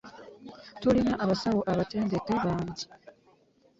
Tulina abasawo abatendeke bangi.